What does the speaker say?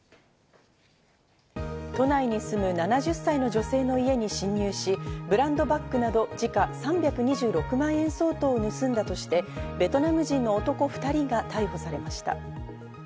都内に住む７０歳の女性の家に侵入し、ブランドのバッグなど時価３２６万円相当を盗んだとしたとして、ベトナム人の男２人が逮捕されました。